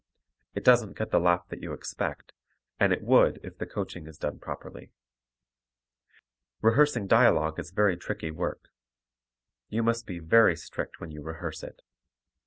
It doesn't get the laugh that you expect, and it would if the coaching is done properly. Rehearsing dialogue is very tricky work. You must be very strict when you rehearse it.